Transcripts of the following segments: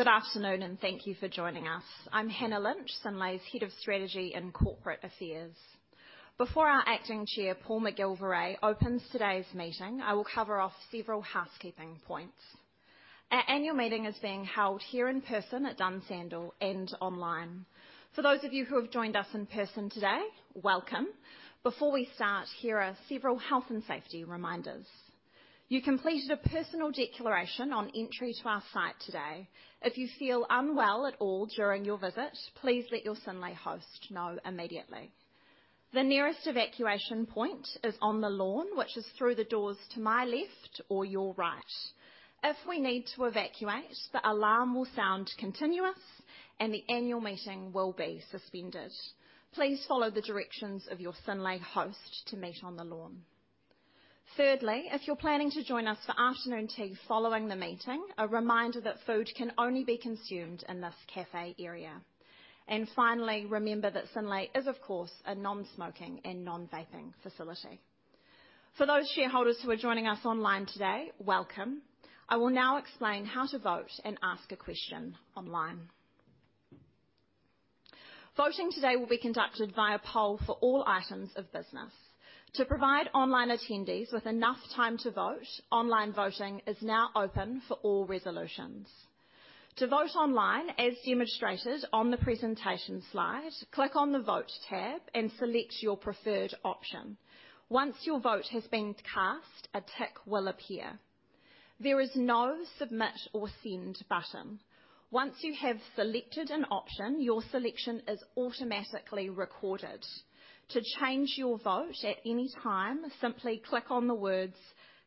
Good afternoon, and thank you for joining us. I'm Hannah Lynch, Synlait's Head of Strategy and Corporate Affairs. Before our Acting Chair, Paul McGilvary, opens today's meeting, I will cover off several housekeeping points. Our annual meeting is being held here in person at Dunsandel and online. For those of you who have joined us in person today, welcome. Before we start, here are several health and safety reminders. You completed a personal declaration on entry to our site today. If you feel unwell at all during your visit, please let your Synlait host know immediately. The nearest evacuation point is on the lawn, which is through the doors to my left or your right. If we need to evacuate, the alarm will sound continuous, and the annual meeting will be suspended. Please follow the directions of your Synlait host to meet on the lawn. Thirdly, if you're planning to join us for afternoon tea following the meeting, a reminder that food can only be consumed in this cafe area. Finally, remember that Synlait is, of course, a non-smoking and non-vaping facility. For those shareholders who are joining us online today, welcome. I will now explain how to vote and ask a question online. Voting today will be conducted via poll for all items of business. To provide online attendees with enough time to vote, online voting is now open for all resolutions. To vote online, as demonstrated on the presentation slide, click on the Vote tab and select your preferred option. Once your vote has been cast, a tick will appear. There is no Submit or Send button. Once you have selected an option, your selection is automatically recorded. To change your vote at any time, simply click on the words,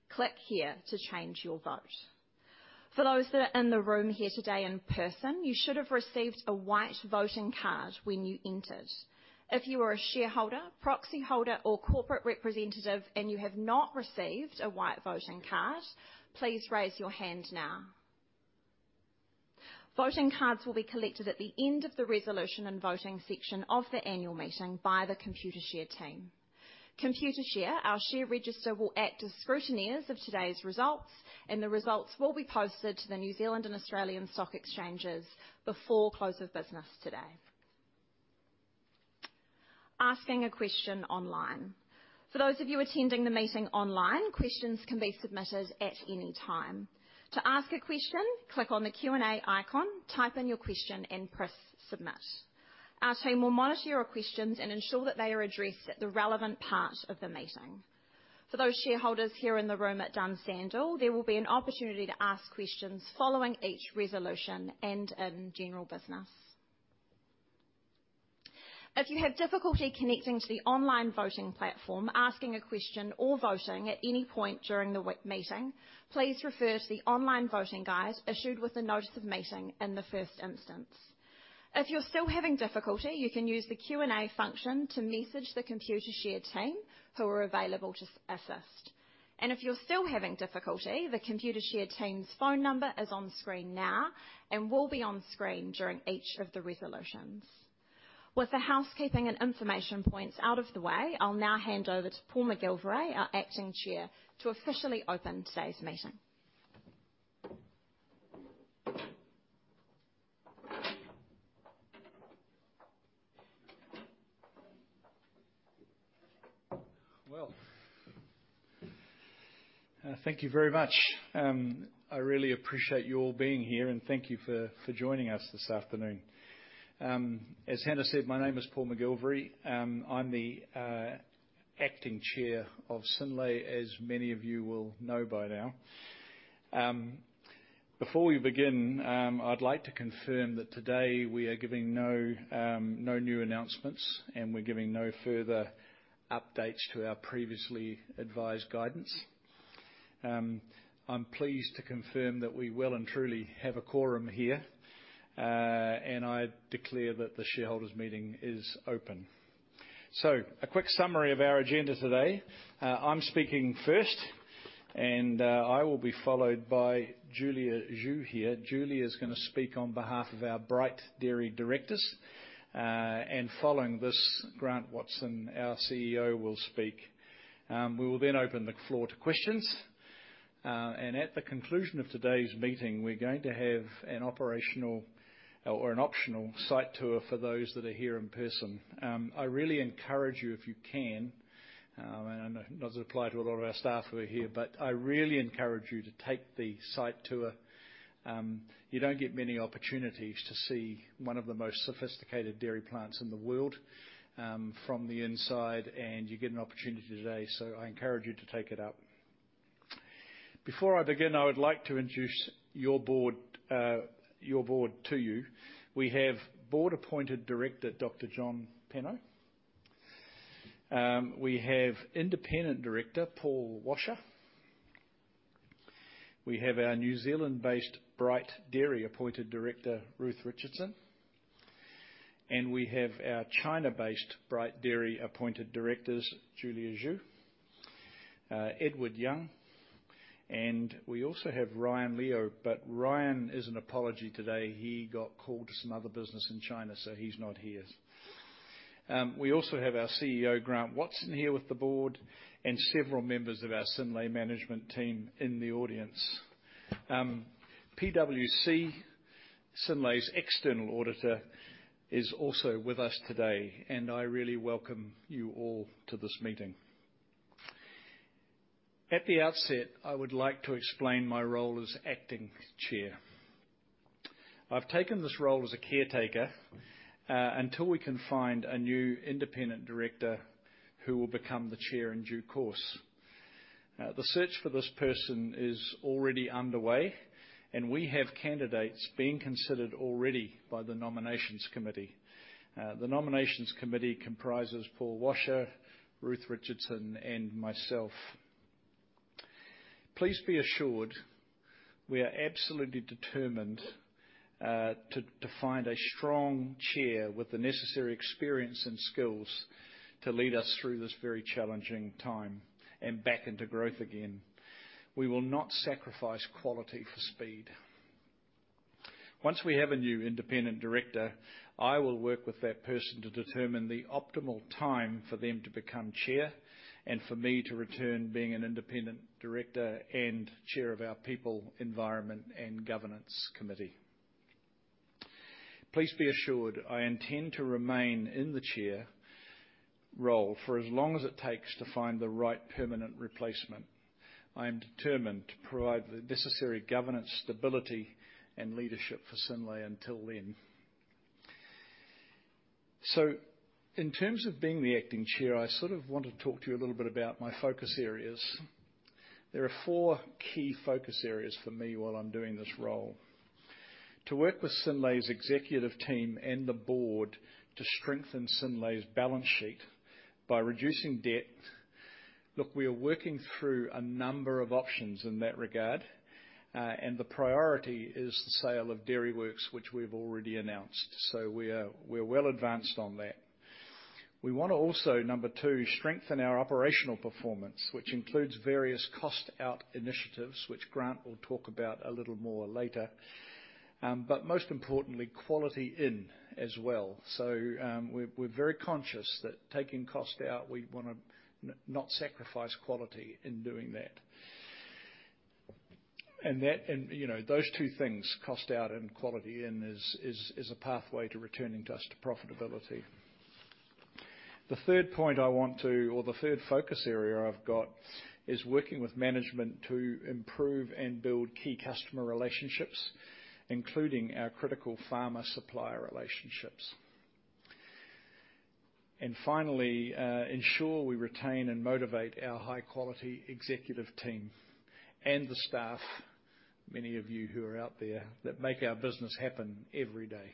"Click here to change your vote." For those that are in the room here today in person, you should have received a white voting card when you entered. If you are a shareholder, proxy holder, or corporate representative, and you have not received a white voting card, please raise your hand now. Voting cards will be collected at the end of the resolution and voting section of the annual meeting by the Computershare team. Computershare, our share register, will act as scrutineers of today's results, and the results will be posted to the New Zealand and Australian Stock Exchanges before close of business today. Asking a question online. For those of you attending the meeting online, questions can be submitted at any time. To ask a question, click on the Q&A icon, type in your question, and press Submit. Our team will monitor your questions and ensure that they are addressed at the relevant part of the meeting. For those shareholders here in the room at Dunsandel, there will be an opportunity to ask questions following each resolution and in general business. If you have difficulty connecting to the online voting platform, asking a question, or voting at any point during the meeting, please refer to the online voting guide issued with the notice of meeting in the first instance. If you're still having difficulty, you can use the Q&A function to message the Computershare team, who are available to assist. If you're still having difficulty, the Computershare team's phone number is on screen now and will be on screen during each of the resolutions. With the housekeeping and information points out of the way, I'll now hand over to Paul McGilvary, our Acting Chair, to officially open today's meeting. Well, thank you very much. I really appreciate you all being here, and thank you for joining us this afternoon. As Hannah said, my name is Paul McGilvary. I'm the Acting Chair of Synlait, as many of you will know by now. Before we begin, I'd like to confirm that today we are giving no new announcements, and we're giving no further updates to our previously advised guidance. I'm pleased to confirm that we well and truly have a quorum here, and I declare that the shareholders' meeting is open. A quick summary of our agenda today. I'm speaking first, and I will be followed by Julia Zhu here. Julia is gooing to speak on behalf of our Bright Dairy directors. And following this, Grant Watson, our CEO, will speak. We will then open the floor to questions, and at the conclusion of today's meeting, we're going to have an operational or an optional site tour for those that are here in person. I really encourage you, if you can, and I know it doesn't apply to a lot of our staff who are here, but I really encourage you to take the site tour. You don't get many opportunities to see one of the most sophisticated dairy plants in the world from the inside, and you get an opportunity today, so I encourage you to take it up. Before I begin, I would like to introduce your board, your board to you. We have Board-appointed director, Dr. John Penno. We have independent director, Paul Washer. We have our New Zealand-based Bright Dairy-appointed director, Ruth Richardson, and we have our China-based Bright Dairy-appointed directors, Julia Zhu, Edward Yang, and we also have Ryan Liu, but Ryan is an apology today. He got called to some other business in China, so he's not here. We also have our CEO, Grant Watson, here with the board and several members of our Synlait management team in the audience. PwC, Synlait's external auditor, is also with us today, and I really welcome you all to this meeting. At the outset, I would like to explain my role as acting chair. I've taken this role as a caretaker, until we can find a new independent director who will become the chair in due course. The search for this person is already underway, and we have candidates being considered already by the nominations committee. The nominations committee comprises Paul Washer, Ruth Richardson, and myself. Please be assured, we are absolutely determined to find a strong chair with the necessary experience and skills to lead us through this very challenging time and back into growth again. We will not sacrifice quality for speed. Once we have a new independent director, I will work with that person to determine the optimal time for them to become chair and for me to return being an independent director and chair of our People, Environment, and Governance Committee. Please be assured I intend to remain in the chair role for as long as it takes to find the right permanent replacement. I am determined to provide the necessary governance, stability, and leadership for Synlait until then. So in terms of being the acting chair, I sort of want to talk to you a little bit about my focus areas. There are four key focus areas for me while I'm doing this role: To work with Synlait's executive team and the board to strengthen Synlait's balance sheet by reducing debt. Look, we are working through a number of options in that regard, and the priority is the sale of Dairyworks, which we've already announced, so we are, we're well advanced on that. We want to also, number two, strengthen our operational performance, which includes various cost-out initiatives, which Grant will talk about a little more later. But most importantly, quality in as well. So, we're, we're very conscious that taking cost out, we want to not sacrifice quality in doing that. And that. You know, those two things, cost out and quality in, is a pathway to returning us to profitability. The third point I want to, or the third focus area I've got, is working with management to improve and build key customer relationships, including our critical farmer-supplier relationships. Finally, ensure we retain and motivate our high-quality executive team and the staff, many of you who are out there, that make our business happen every day.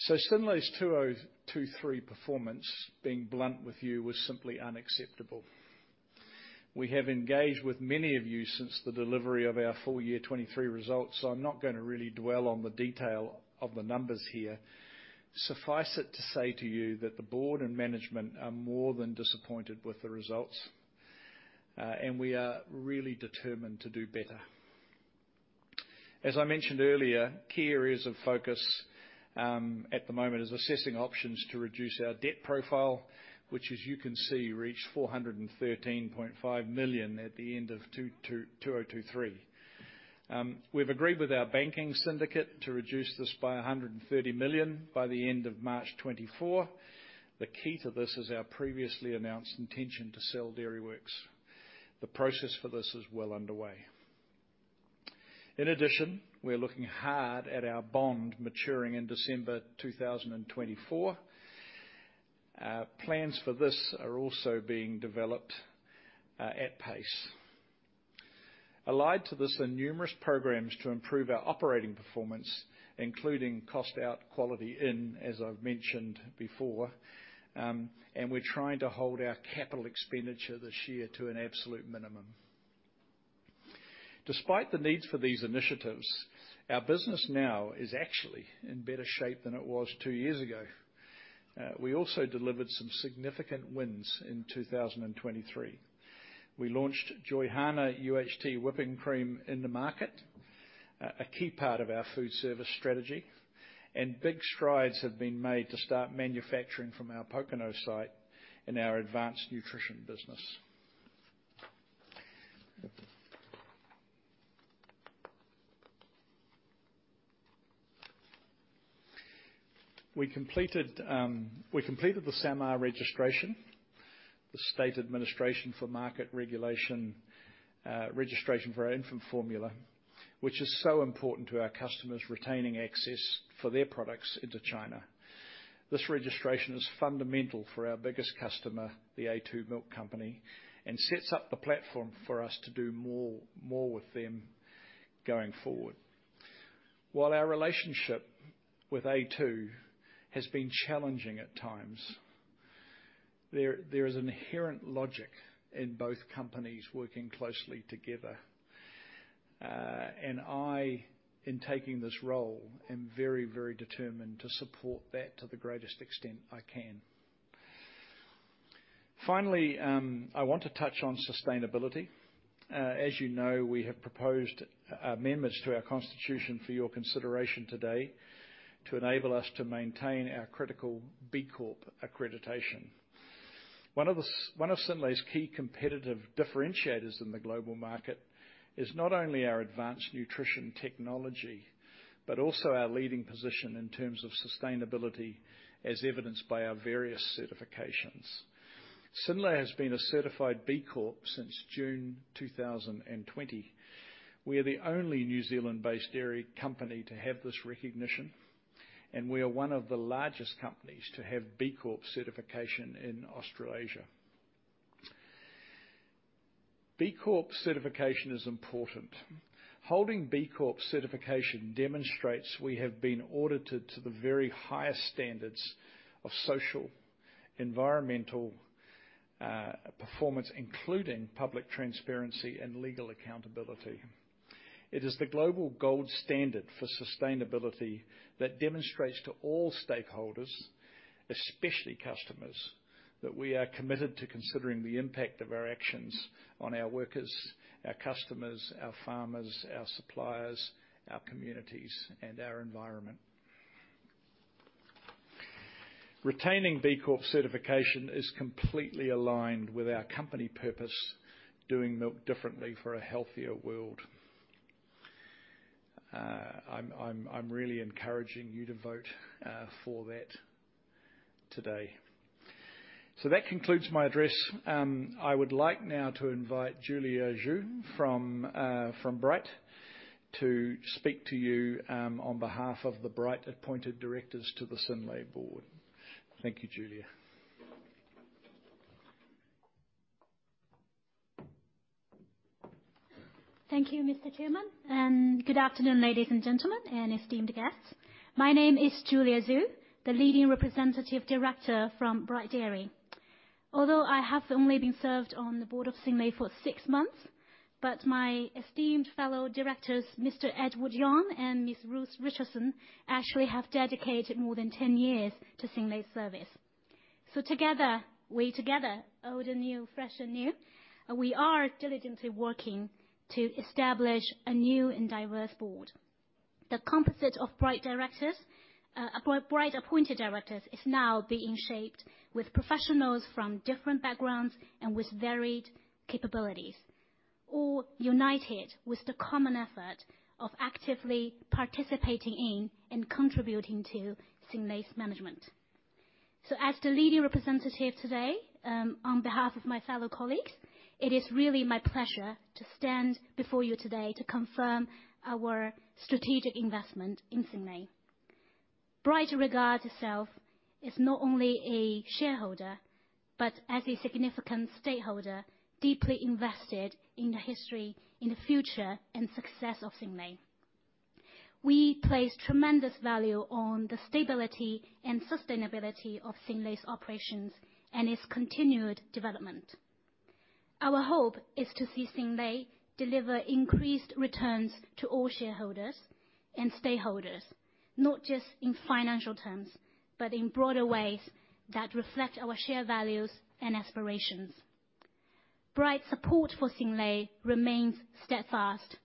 So Synlait's 2023 performance, being blunt with you, was simply unacceptable. We have engaged with many of you since the delivery of our full year 2023 results, so I'm not going to really dwell on the detail of the numbers here. Suffice it to say to you that the board and management are more than disappointed with the results, and we are really determined to do better. As I mentioned earlier, key areas of focus at the moment is assessing options to reduce our debt profile, which, as you can see, reached 413.5 million at the end of 2023. We've agreed with our banking syndicate to reduce this by 130 million by the end of March 2024. The key to this is our previously announced intention to sell Dairyworks. The process for this is well underway. In addition, we are looking hard at our bond maturing in December 2024. Plans for this are also being developed at pace. Allied to this are numerous programs to improve our operating performance, including cost out, quality in, as I've mentioned before, and we're trying to hold our capital expenditure this year to an absolute minimum. Despite the needs for these initiatives, our business now is actually in better shape than it was two years ago. We also delivered some significant wins in 2023. We launched Joyhana UHT Whipping Cream in the market, a key part of our food service strategy, and big strides have been made to start manufacturing from our Pōkeno site and our advanced nutrition business. We completed the SAMR registration, the State Administration for Market Regulation, registration for our infant formula, which is so important to our customers retaining access for their products into China. This registration is fundamental for our biggest customer, the a2 Milk Company, and sets up the platform for us to do more with them going forward. While our relationship with a2 has been challenging at times, there is an inherent logic in both companies working closely together. And I, in taking this role, am very, very determined to support that to the greatest extent I can. Finally, I want to touch on sustainability. As you know, we have proposed amendments to our constitution for your consideration today, to enable us to maintain our critical B Corp accreditation. One of Synlait's key competitive differentiators in the global market is not only our advanced nutrition technology, but also our leading position in terms of sustainability, as evidenced by our various certifications. Synlait has been a certified B Corp since June 2020. We are the only New Zealand-based dairy company to have this recognition, and we are one of the largest companies to have B Corp certification in Australasia. B Corp certification is important. Holding B Corp certification demonstrates we have been audited to the very highest standards of social, environmental, performance, including public transparency and legal accountability. It is the global gold standard for sustainability that demonstrates to all stakeholders, especially customers, that we are committed to considering the impact of our actions on our workers, our customers, our farmers, our suppliers, our communities, and our environment. Retaining B Corp certification is completely aligned with our company purpose, doing milk differently for a healthier world. I'm really encouraging you to vote for that today. So that concludes my address. I would like now to invite Julia Zhu, from Bright, to speak to you, on behalf of the Bright appointed directors to the Synlait board. Thank you, Julia. Thank you, Mr. Chairman, and good afternoon, ladies and gentlemen, and esteemed guests. My name is Julia Zhu, the leading representative director from Bright Dairy. Although I have only been served on the board of Synlait for six months, but my esteemed fellow directors, Mr. Edward Yang and Ms. Ruth Richardson, actually have dedicated more than 10 years to Synlait's service. So together, old and new, fresh and new, we are diligently working to establish a new and diverse board. The composite of Bright appointed directors is now being shaped with professionals from different backgrounds and with varied capabilities, all united with the common effort of actively participating in and contributing to Synlait's management. So as the leading representative today, on behalf of my fellow colleagues, it is really my pleasure to stand before you today to confirm our strategic investment in Synlait. Bright regards itself as not only a shareholder, but as a significant stakeholder, deeply invested in the history, in the future, and success of Synlait. We place tremendous value on the stability and sustainability of Synlait's operations and its continued development. Our hope is to see Synlait deliver increased returns to all shareholders and stakeholders, not just in financial terms, but in broader ways that reflect our share values and aspirations. Bright's support for Synlait remains steadfast,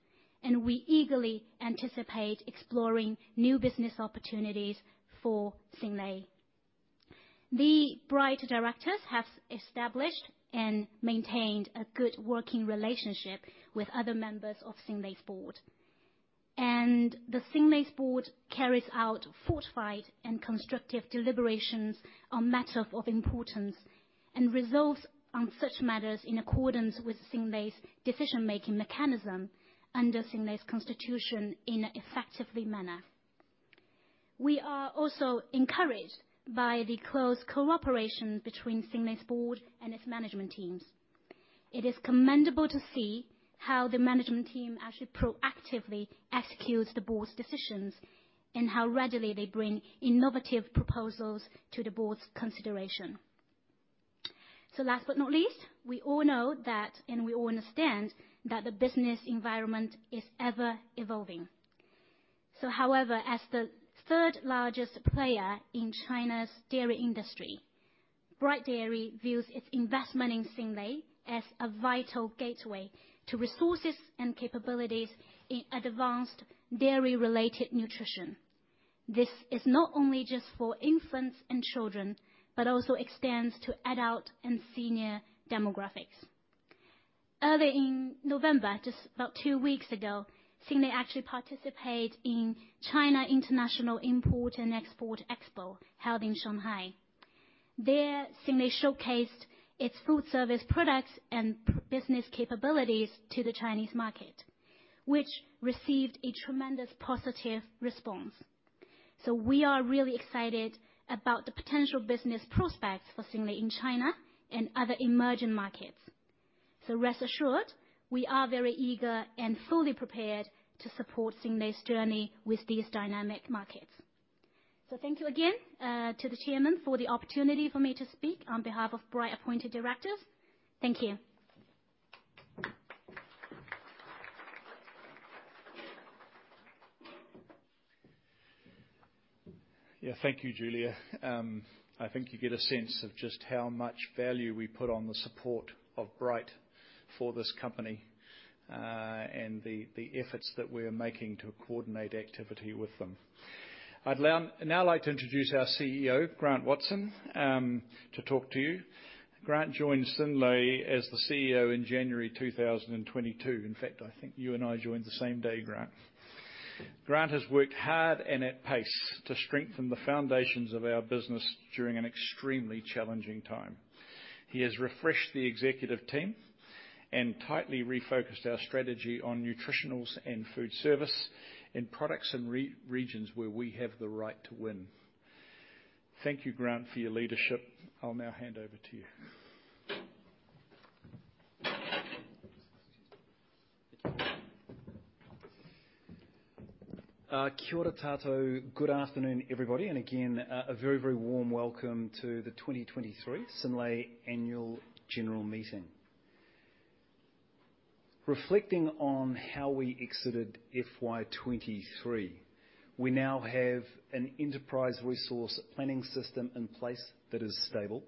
and we eagerly anticipate exploring new business opportunities for Synlait. The Bright directors have established and maintained a good working relationship with other members of Synlait's board. Synlait's board carries out fortified and constructive deliberations on matters of importance, and resolves on such matters in accordance with Synlait's decision-making mechanism, under Synlait's constitution in an effective manner. We are also encouraged by the close cooperation between Synlait's board and its management teams. It is commendable to see how the management team actually proactively executes the board's decisions, and how readily they bring innovative proposals to the board's consideration. So last but not least, we all know that, and we all understand, that the business environment is ever-evolving. So, however, as the third largest player in China's dairy industry, Bright Dairy views its investment in Synlait as a vital gateway to resources and capabilities in advanced dairy-related nutrition. This is not only just for infants and children, but also extends to adult and senior demographics. Earlier in November, just about two weeks ago, Synlait actually participate in China International Import and Export Expo, held in Shanghai. There, Synlait showcased its foodservice products and business capabilities to the Chinese market, which received a tremendous positive response. We are really excited about the potential business prospects for Synlait in China and other emerging markets. Rest assured, we are very eager and fully prepared to support Synlait's journey with these dynamic markets. Thank you again to the chairman, for the opportunity for me to speak on behalf of Bright appointed directors. Thank you. Yeah. Thank you, Julia. I think you get a sense of just how much value we put on the support of Bright for this company, and the efforts that we're making to coordinate activity with them. I'd now like to introduce our CEO, Grant Watson, to talk to you. Grant joined Synlait as the CEO in January 2022. In fact, I think you and I joined the same day, Grant. Grant has worked hard and at pace to strengthen the foundations of our business during an extremely challenging time. He has refreshed the executive team and tightly refocused our strategy on Nutritionals and Foodservice and products in regions where we have the right to win. Thank you, Grant, for your leadership. I'll now hand over to you. Kia ora tātou. Good afternoon, everybody, and again, a very, very warm welcome to the 2023 Synlait Annual General Meeting. Reflecting on how we exited FY 2023, we now have an enterprise resource planning system in place that is stable.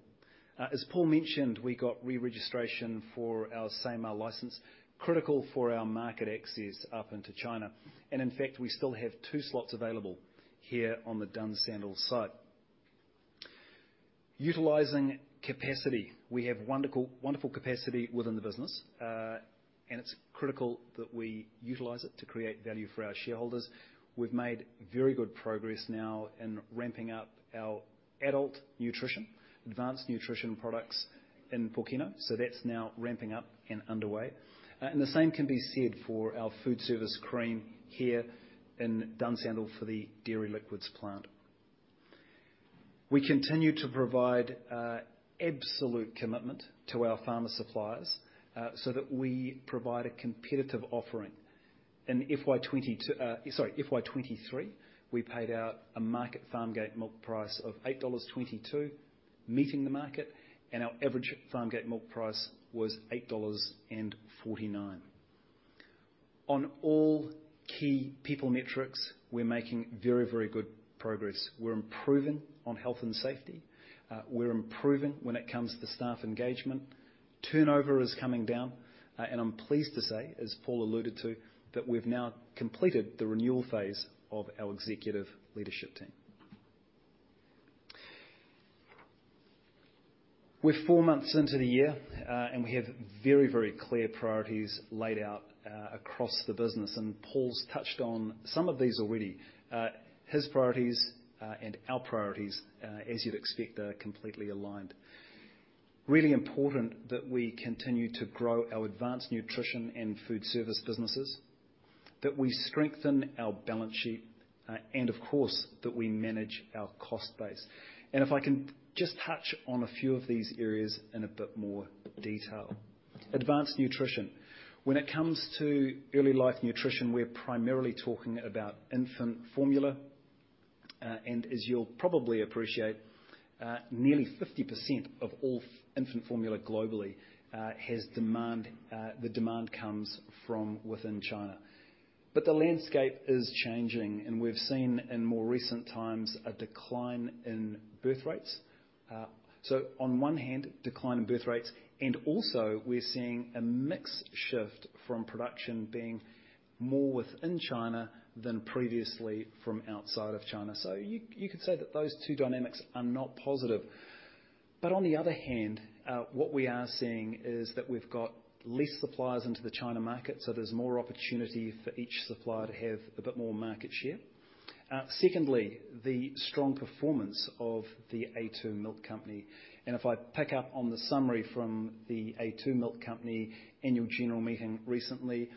As Paul mentioned, we got re-registration for our SAMR license, critical for our market access up into China, and in fact, we still have two slots available here on the Dunsandel site. Utilizing capacity. We have wonderful, wonderful capacity within the business, and it's critical that we utilize it to create value for our shareholders. We've made very good progress now in ramping up our adult nutrition, advanced nutrition products in Pōkeno, so that's now ramping up and underway. And the same can be said for our foodservice cream here in Dunsandel for the dairy liquids plant. We continue to provide absolute commitment to our farmer suppliers so that we provide a competitive offering. In FY 2022, sorry, FY 2023, we paid out a market farmgate milk price of 8.22 dollars, meeting the market, and our average farmgate milk price was 8.49 dollars. On all key people metrics, we're making very, very good progress. We're improving on health and safety. We're improving when it comes to staff engagement. Turnover is coming down, and I'm pleased to say, as Paul alluded to, that we've now completed the renewal phase of our executive leadership team. We're four months into the year, and we have very, very clear priorities laid out across the business, and Paul's touched on some of these already. His priorities and our priorities, as you'd expect, are completely aligned. Really important that we continue to grow our advanced nutrition and foodservice businesses, that we strengthen our balance sheet, and of course, that we manage our cost base. And if I can just touch on a few of these areas in a bit more detail. Advanced nutrition. When it comes to early life nutrition, we're primarily talking about infant formula. And as you'll probably appreciate, nearly 50% of all infant formula globally, has demand, the demand comes from within China. But the landscape is changing, and we've seen in more recent times a decline in birth rates. So on one hand, decline in birth rates, and also we're seeing a mixed shift from production being more within China than previously from outside of China. So you could say that those two dynamics are not positive. But on the other hand, what we are seeing is that we've got less suppliers into the China market, so there's more opportunity for each supplier to have a bit more market share. Secondly, the strong performance of the a2 Milk Company, and if I pick up on the summary from the a2 Milk Company annual general meeting recently,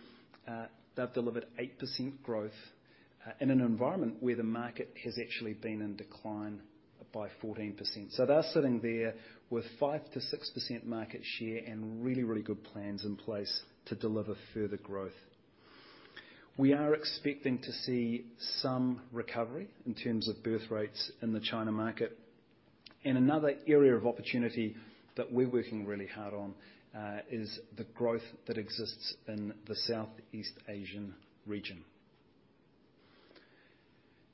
they've delivered 8% growth, in an environment where the market has actually been in decline by 14%. So they're sitting there with 5%-6% market share and really, really good plans in place to deliver further growth. We are expecting to see some recovery in terms of birth rates in the China market. And another area of opportunity that we're working really hard on, is the growth that exists in the Southeast Asian region.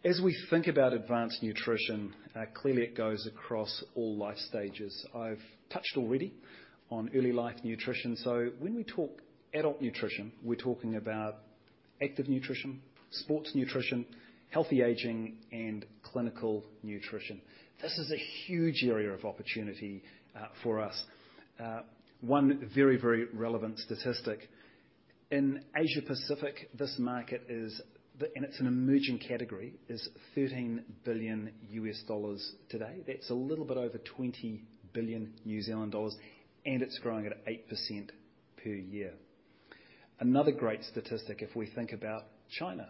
As we think about advanced nutrition, clearly it goes across all life stages. I've touched already on early life nutrition, so when we talk adult nutrition, we're talking about active nutrition, sports nutrition, healthy aging, and clinical nutrition. This is a huge area of opportunity for us. One very, very relevant statistic: In Asia Pacific, this market is the... and it's an emerging category, is $13 billion today. That's a little bit over 20 billion New Zealand dollars, and it's growing at 8% per year. Another great statistic if we think about China,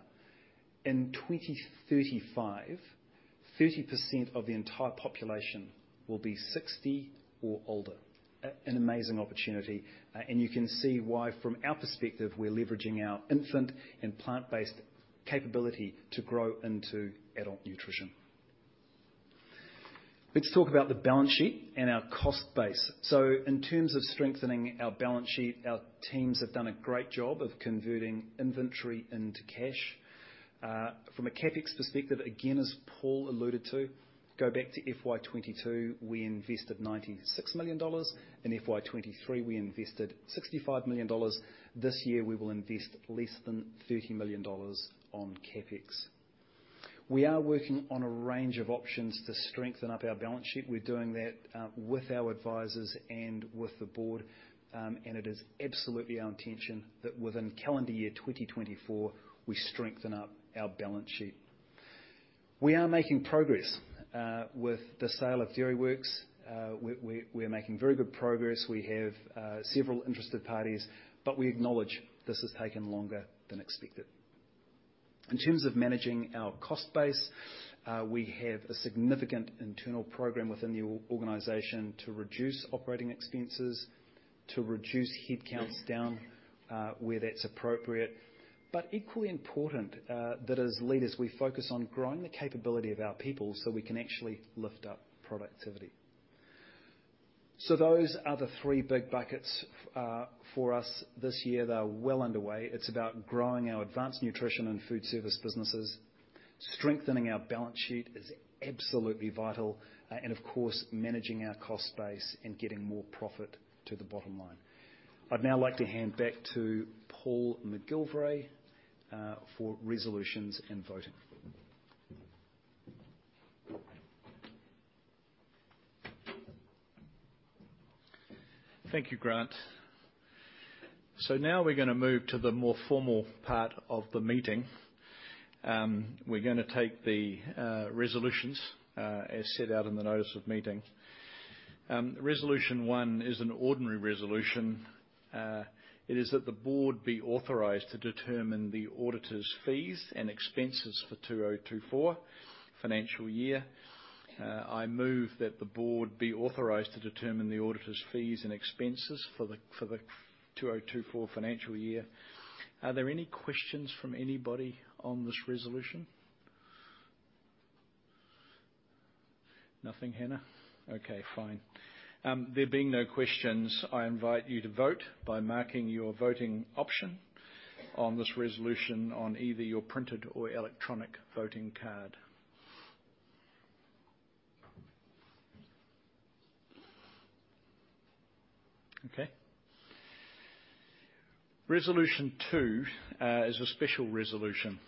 in 2035, 30% of the entire population will be 60 or older. An amazing opportunity, and you can see why, from our perspective, we're leveraging our infant and plant-based capability to grow into adult nutrition. Let's talk about the balance sheet and our cost base. So in terms of strengthening our balance sheet, our teams have done a great job of converting inventory into cash. From a CapEx perspective, again, as Paul alluded to, go back to FY 2022, we invested NZD 96 million. In FY 2023, we invested NZD 65 million. This year, we will invest less than NZD 30 million on CapEx. We are working on a range of options to strengthen up our balance sheet. We're doing that with our advisors and with the board, and it is absolutely our intention that within calendar year 2024, we strengthen up our balance sheet. We are making progress with the sale of Dairyworks. We, we're making very good progress. We have several interested parties, but we acknowledge this has taken longer than expected. In terms of managing our cost base, we have a significant internal program within the organization to reduce operating expenses, to reduce headcounts down, where that's appropriate. But equally important, that as leaders, we focus on growing the capability of our people so we can actually lift up productivity. So those are the three big buckets, for us this year. They are well underway. It's about growing our advanced nutrition and food service businesses. Strengthening our balance sheet is absolutely vital, and of course, managing our cost base and getting more profit to the bottom line. I'd now like to hand back to Paul McGilvary, for resolutions and voting. Thank you, Grant. So now we're going to move to the more formal part of the meeting. We're going to take the resolutions as set out in the notice of meeting. Resolution one is an ordinary resolution. It is that the board be authorized to determine the auditor's fees and expenses for the 2024 financial year. I move that the board be authorized to determine the auditor's fees and expenses for the, for the 2024 financial year. Are there any questions from anybody on this resolution? Nothing, Hannah? Okay, fine. There being no questions, I invite you to vote by marking your voting option on this resolution on either your printed or electronic voting card. Okay. Resolution two is a special resolution.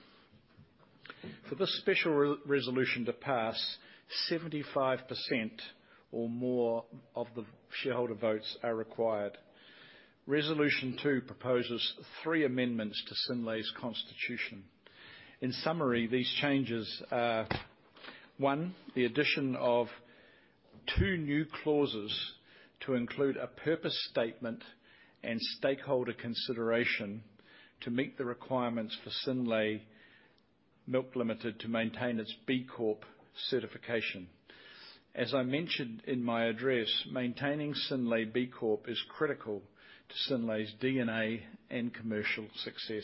For this special resolution to pass, 75% or more of the shareholder votes are required. Resolution 2 proposes three amendments to Synlait's constitution. In summary, these changes are, one, the addition of two new clauses to include a purpose statement and stakeholder consideration to meet the requirements for Synlait Milk Limited to maintain its B Corp certification. As I mentioned in my address, maintaining Synlait B Corp is critical to Synlait's DNA and commercial success.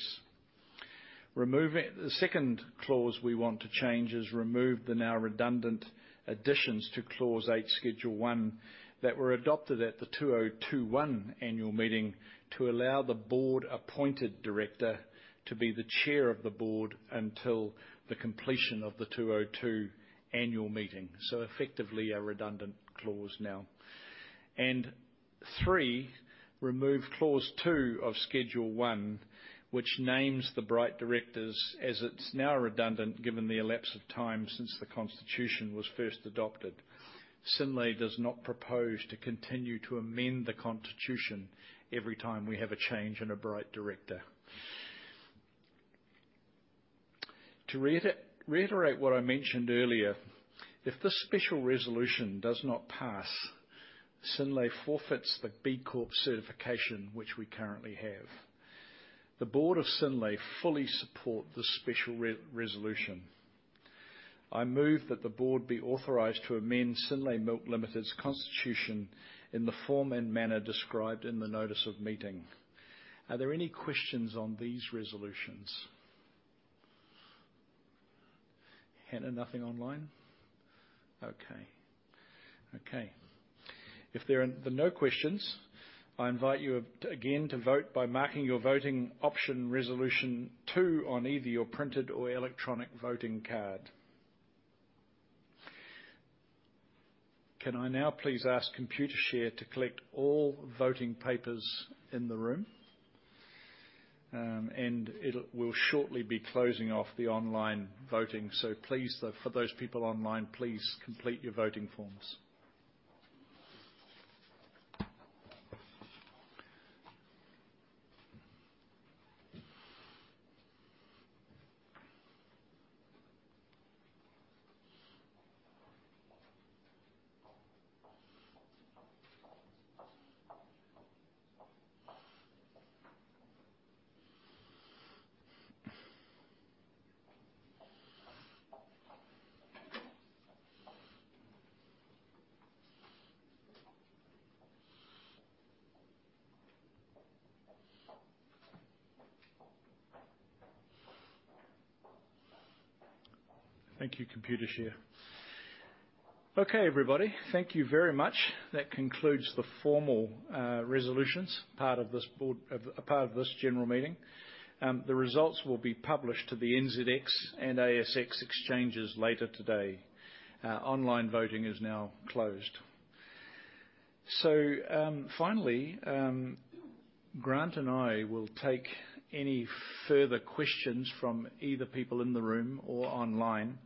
The second clause we want to change is remove the now redundant additions to Clause H, Schedule One, that were adopted at the 2021 annual meeting to allow the board-appointed director to be the chair of the board until the completion of the 2022 annual meeting. So effectively, a redundant clause now. And three, remove Clause Two of Schedule One, which names the Bright directors, as it's now redundant, given the elapse of time since the Constitution was first adopted. Synlait does not propose to continue to amend the Constitution every time we have a change in a Bright director. To reiterate what I mentioned earlier, if this special resolution does not pass, Synlait forfeits the B Corp certification, which we currently have. The board of Synlait fully support this special resolution. I move that the board be authorized to amend Synlait Milk Limited's Constitution in the form and manner described in the notice of meeting. Are there any questions on these resolutions? Hannah, nothing online? Okay. Okay. If there are no questions, I invite you again to vote by marking your voting option Resolution Two on either your printed or electronic voting card. Can I now please ask Computershare to collect all voting papers in the room? And it'll, we'll shortly be closing off the online voting. So please, though, for those people online, please complete your voting forms. Thank you, Computershare. Okay, everybody, thank you very much. That concludes the formal resolutions part of this board a part of this general meeting. The results will be published to the NZX and ASX exchanges later today. Online voting is now closed. So, finally, Grant and I will take any further questions from either people in the room or online,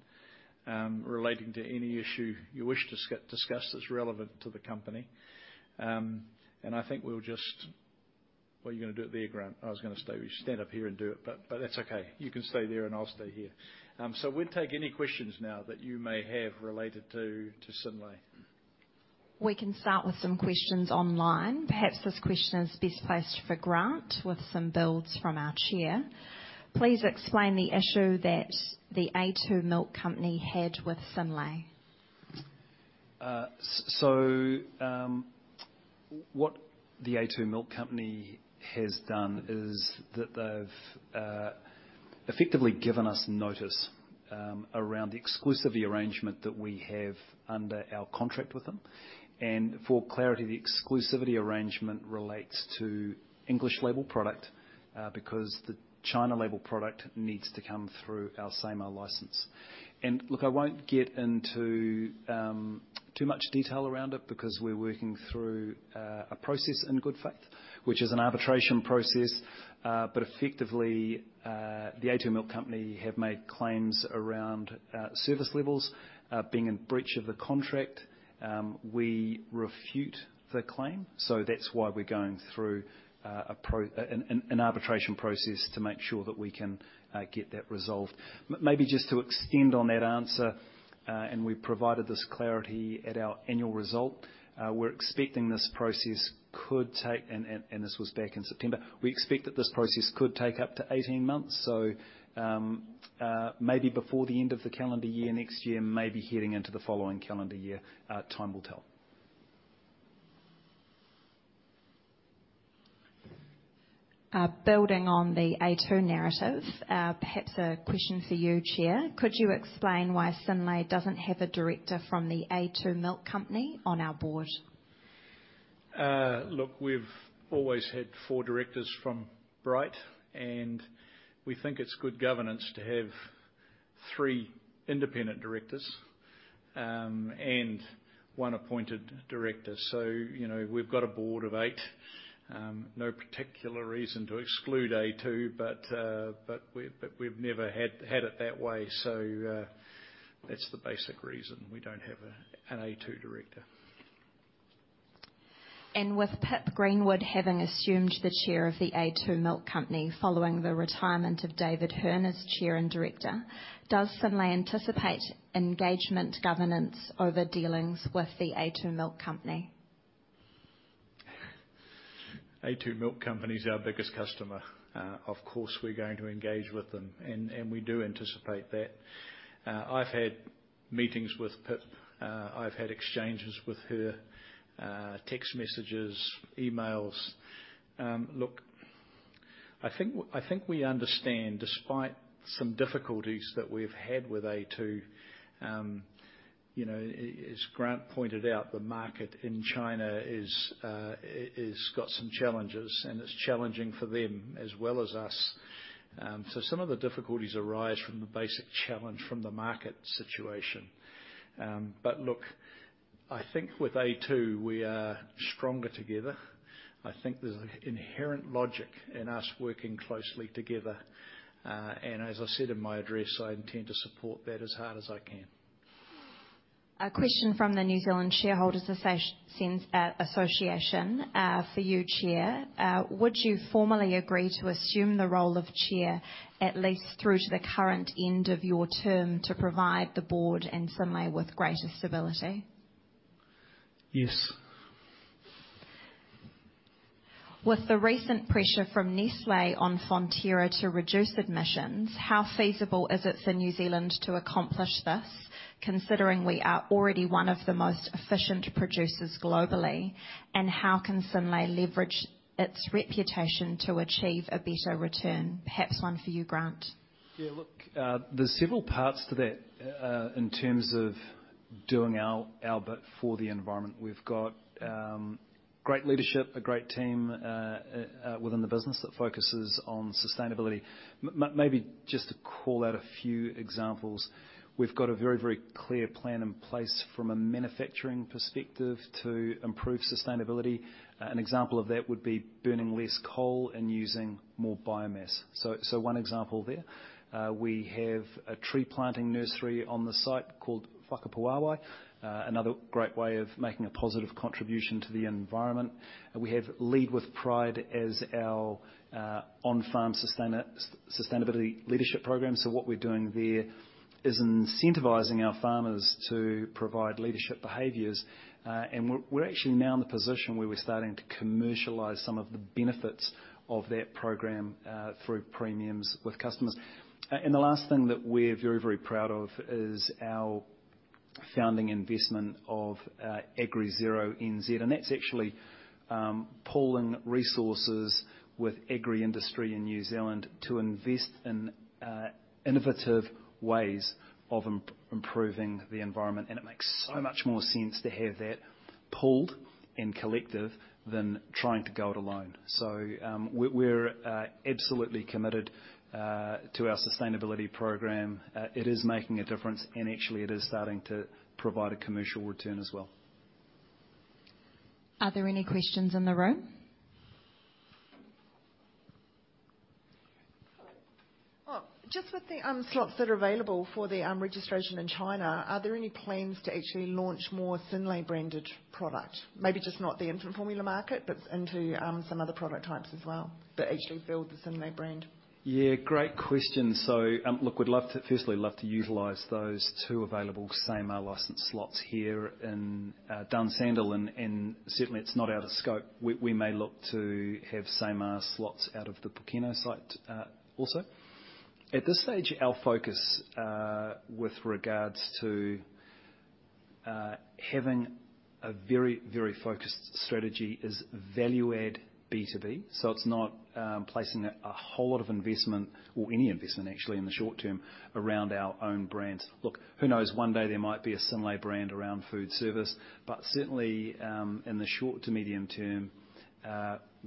relating to any issue you wish to discuss that's relevant to the company. And I think we'll just. Well, you're going to do it there, Grant. I was going to stay. We stand up here and do it, but that's okay. You can stay there, and I'll stay here. So we'll take any questions now that you may have related to Synlait. We can start with some questions online. Perhaps this question is best placed for Grant, with some builds from our chair. Please explain the issue that the a2 Milk Company had with Synlait. So, what the a2 Milk Company has done is that they've effectively given us notice around the exclusivity arrangement that we have under our contract with them. And for clarity, the exclusivity arrangement relates to English label product, because the China label product needs to come through our SAMR license. And look, I won't get into too much detail around it, because we're working through a process in good faith, which is an arbitration process. But effectively, the a2 Milk Company have made claims around our service levels being in breach of the contract. We refute the claim, so that's why we're going through an arbitration process to make sure that we can get that resolved. Maybe just to extend on that answer, and we provided this clarity at our annual result. We're expecting this process could take... And this was back in September. We expect that this process could take up to 18 months. So, maybe before the end of the calendar year, next year, maybe heading into the following calendar year. Time will tell. Building on the a2 narrative, perhaps a question for you, Chair. Could you explain why Synlait doesn't have a director from the a2 Milk Company on our board? Look, we've always had four directors from Bright, and we think it's good governance to have three independent directors and one appointed director. So, you know, we've got a board of eight. No particular reason to exclude a2, but we've never had it that way. So, that's the basic reason we don't have an a2 director. With Pip Greenwood having assumed the chair of the a2 Milk Company, following the retirement of David Hearn as chair and director, does Synlait anticipate engagement governance over dealings with the a2 Milk Company? a2 Milk Company is our biggest customer. Of course, we're going to engage with them, and we do anticipate that. I've had meetings with Pip. I've had exchanges with her, text messages, emails. Look, I think we understand, despite some difficulties that we've had with a2, you know, as Grant pointed out, the market in China is, it's got some challenges, and it's challenging for them as well as us. So some of the difficulties arise from the basic challenge from the market situation. But look, I think with a2, we are stronger together. I think there's an inherent logic in us working closely together. And as I said in my address, I intend to support that as hard as I can. A question from the New Zealand Shareholders Association, for you, Chair. Would you formally agree to assume the role of chair at least through to the current end of your term to provide the board and Synlait with greater stability? Yes. With the recent pressure from Nestlé on Fonterra to reduce emissions, how feasible is it for New Zealand to accomplish this, considering we are already one of the most efficient producers globally? And how can Synlait leverage its reputation to achieve a better return? Perhaps one for you, Grant. Yeah, look, there's several parts to that in terms of doing our bit for the environment. We've got great leadership, a great team within the business that focuses on sustainability. Maybe just to call out a few examples. We've got a very, very clear plan in place from a manufacturing perspective to improve sustainability. An example of that would be burning less coal and using more biomass. So one example there. We have a tree planting nursery on the site called Whakapuāwai. Another great way of making a positive contribution to the environment. We have Lead With Pride as our on-farm sustainability leadership program. So what we're doing there is incentivizing our farmers to provide leadership behaviors. And we're actually now in the position where we're starting to commercialize some of the benefits of that program through premiums with customers. And the last thing that we're very, very proud of is our founding investment of AgriZeroNZ, and that's actually pooling resources with agri industry in New Zealand to invest in innovative ways of improving the environment, and it makes so much more sense to have that pooled and collective than trying to go it alone. So we're absolutely committed to our sustainability program. It is making a difference, and actually it is starting to provide a commercial return as well. Are there any questions in the room? Well, just with the slots that are available for the registration in China, are there any plans to actually launch more Synlait-branded product? Maybe just not the infant formula market, but into some other product types as well, that actually build the Synlait brand. Yeah, great question. So, look, we'd love to firstly, love to utilize those two available SAMR-licensed slots here in Dunsandel, and certainly it's not out of scope. We may look to have SAMR slots out of the Pōkeno site also. At this stage, our focus with regards to having a very, very focused strategy is value-add B2B, so it's not placing a whole lot of investment, or any investment actually, in the short term, around our own brands. Look, who knows? One day there might be a Synlait brand around food service, but certainly in the short to medium term,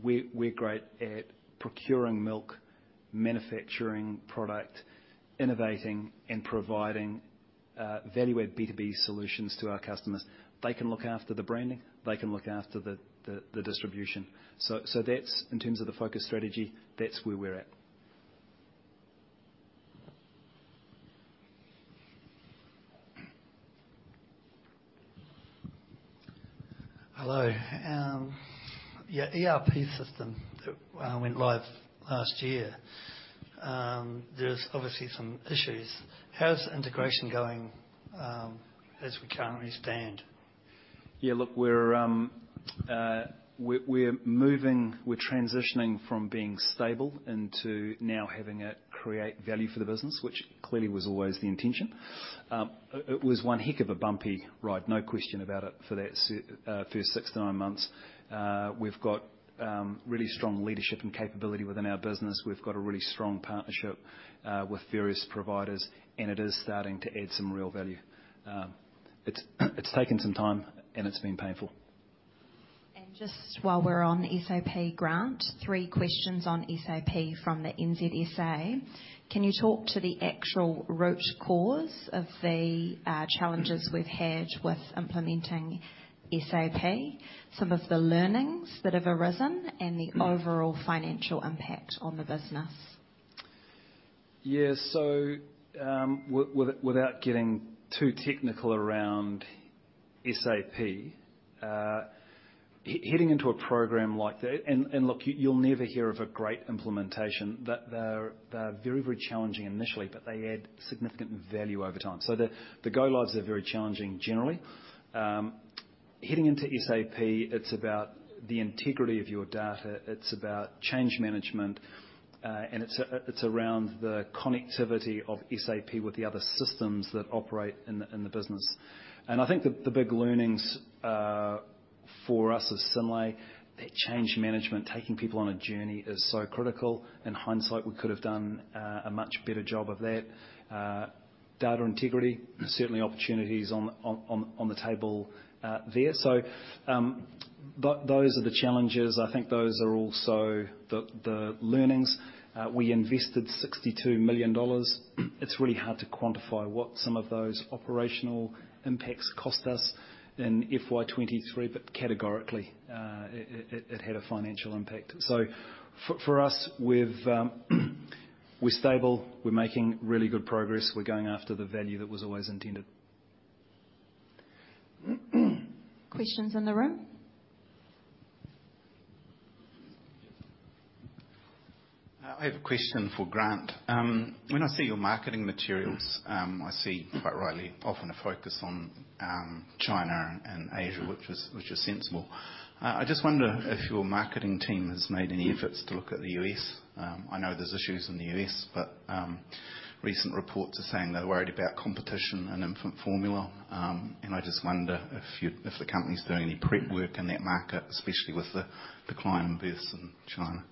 we're great at procuring milk, manufacturing product, innovating and providing value-add B2B solutions to our customers. They can look after the branding. They can look after the distribution. So that's, in terms of the focus strategy, that's where we're at. Hello, your ERP system that went live last year, there's obviously some issues. How's integration going, as we currently stand? Yeah, look, we're moving. We're transitioning from being stable into now having it create value for the business, which clearly was always the intention. It was one heck of a bumpy ride, no question about it, for that first six to nine months. We've got really strong leadership and capability within our business. We've got a really strong partnership with various providers, and it is starting to add some real value. It's taken some time, and it's been painful. And just while we're on SAP, Grant, three questions on SAP from the NZSA. Can you talk to the actual root cause of the challenges we've had with implementing SAP, some of the learnings that have arisen- Mm. and the overall financial impact on the business? Yeah, so, without getting too technical around SAP, heading into a program like that. And look, you'll never hear of a great implementation. They're very, very challenging initially, but they add significant value over time. So the go lives are very challenging generally. Heading into SAP, it's about the integrity of your data, it's about change management, and it's around the connectivity of SAP with the other systems that operate in the business. And I think the big learnings for us as Synlait, that change management, taking people on a journey, is so critical. In hindsight, we could have done a much better job of that. Data integrity, certainly opportunities on the table there. So those are the challenges. I think those are also the learnings. We invested 62 million dollars. It's really hard to quantify what some of those operational impacts cost us in FY 2023, but categorically, it had a financial impact. So for us, we're stable. We're making really good progress. We're going after the value that was always intended. Questions in the room? I have a question for Grant. When I see your marketing materials, I see, quite rightly, often a focus on China and Asia, which is sensible. I just wonder if your marketing team has made any efforts to look at the US. I know there's issues in the US, but recent reports are saying they're worried about competition and infant formula, and I just wonder if the company's doing any prep work in that market, especially with the climate versus in China.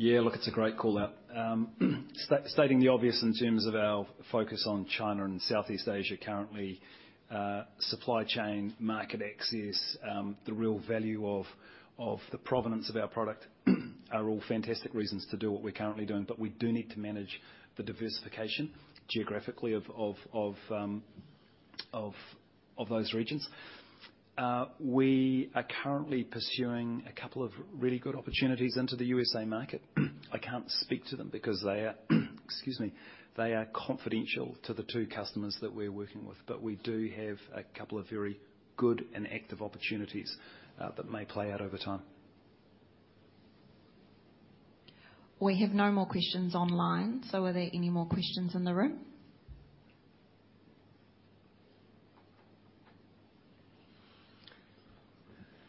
Yeah, look, it's a great call-out. Stating the obvious in terms of our focus on China and Southeast Asia. Currently, supply chain, market access, the real value of the provenance of our product, are all fantastic reasons to do what we're currently doing, but we do need to manage the diversification geographically of those regions. We are currently pursuing a couple of really good opportunities into the USA market. I can't speak to them because they are, excuse me, they are confidential to the two customers that we're working with. But we do have a couple of very good and active opportunities that may play out over time. We have no more questions online, so are there any more questions in the room?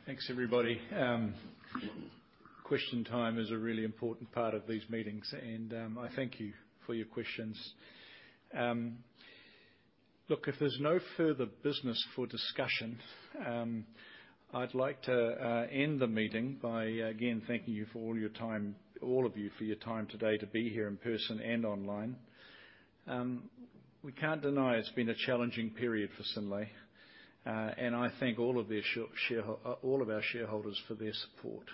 Thanks, everybody. Question time is a really important part of these meetings, and I thank you for your questions. Look, if there's no further business for discussion, I'd like to end the meeting by, again, thanking you for all your time, all of you, for your time today to be here in person and online. We can't deny it's been a challenging period for Synlait, and I thank all of our shareholders for their support.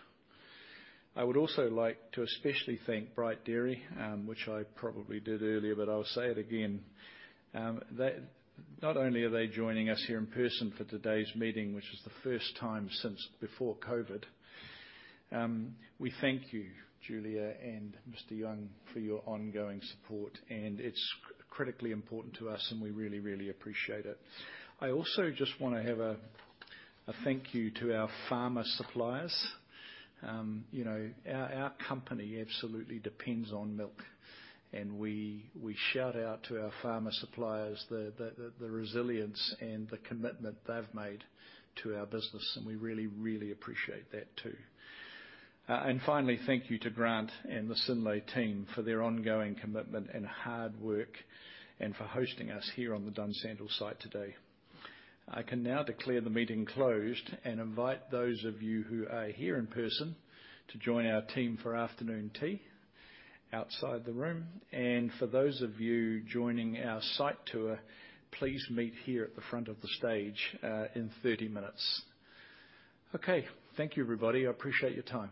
I would also like to especially thank Bright Dairy, which I probably did earlier, but I'll say it again. Not only are they joining us here in person for today's meeting, which is the first time since before COVID. We thank you, Julia and Mr. Yang, for your ongoing support, and it's critically important to us, and we really, really appreciate it. I also just want to have a thank you to our farmer suppliers. You know, our company absolutely depends on milk, and we shout out to our farmer suppliers, the resilience and the commitment they've made to our business, and we really, really appreciate that, too. And finally, thank you to Grant and the Synlait team for their ongoing commitment and hard work and for hosting us here on the Dunsandel site today. I can now declare the meeting closed and invite those of you who are here in person to join our team for afternoon tea outside the room. And for those of you joining our site tour, please meet here at the front of the stage, in 30 minutes. Okay. Thank you, everybody. I appreciate your time.